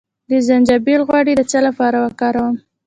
د زنجبیل غوړي د څه لپاره وکاروم؟